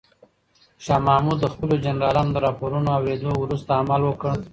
شاه محمود د خپلو جنرالانو د راپورونو اورېدو وروسته عمل وکړ.